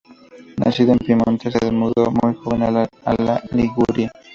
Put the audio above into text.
Nacido en Piamonte, se mudó muy joven a Liguria.